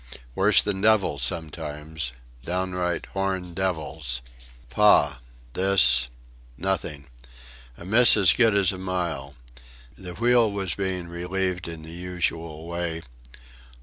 Worse than devils too sometimes downright, horned devils. Pah! This nothing. A miss as good as a mile.... The wheel was being relieved in the usual way.